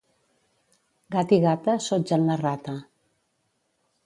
Gat i gata sotgen la rata.